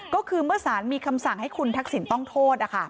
ก็คือเมื่อสารมีคำสั่งให้คุณทักษิณต้องโทษ